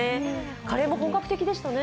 カレーも本格的でしたね。